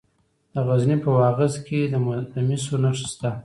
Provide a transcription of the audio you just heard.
د غزني په واغظ کې د مسو نښې شته.